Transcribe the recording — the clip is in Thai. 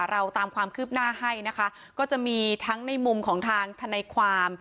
เราตามความคืบหน้าให้นะคะก็จะมีทั้งในมุมของทางทนายความ